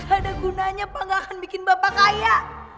gak ada gunanya pak gak akan bikin bapak kaya